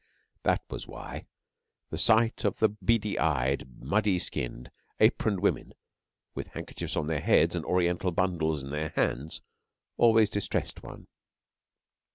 That was why the sight of the beady eyed, muddy skinned, aproned women, with handkerchiefs on their heads and Oriental bundles in their hands, always distressed one.